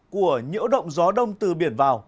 của nhiễu động gió đông từ biển vào